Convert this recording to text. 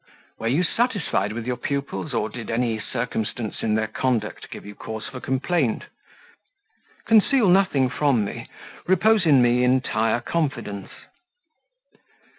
"Were you satisfied with your pupils, or did any circumstance in their conduct give you cause for complaint? Conceal nothing from me, repose in me entire confidence."